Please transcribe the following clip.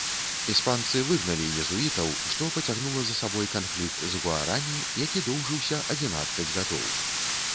Іспанцы выгналі езуітаў, што пацягнула за сабой канфлікт з гуарані, які доўжыўся адзінаццаць гадоў.